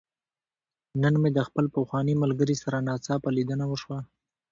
نن مې د خپل پخواني ملګري سره ناڅاپه ليدنه وشوه.